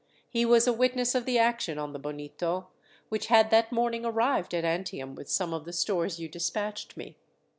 He was a witness of the action on the Bonito, which had that morning arrived at Antium with some of the stores you despatched me.